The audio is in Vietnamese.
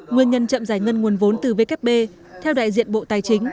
nguyên nhân chậm giải ngân nguồn vốn từ vkp theo đại diện bộ tài chính